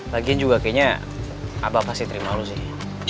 lagian juga kayaknya abah pasti terima lo sih